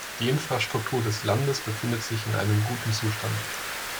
Die Infrastruktur des Landes befindet sich in einem guten Zustand.